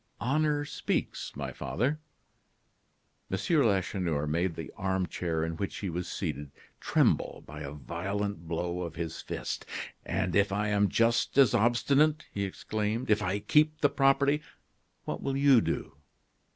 "Honor speaks, my father." M. Lacheneur made the arm chair in which he was seated tremble by a violent blow of his fist. "And if I am just as obstinate," he exclaimed "if I keep the property what will you do?"